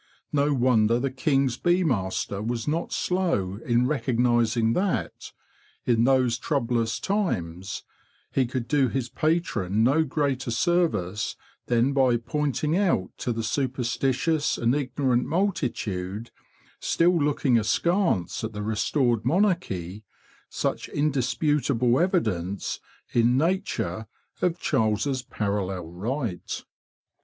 No wonder the King's bee master was not slow in recognising that, in those troublous times, he could do his patron no greater service than by pointing out to the superstitious and ignorant multitude—still looking askance at the restored monarchy—such indisputable evidence in nature of Charles's parallel right.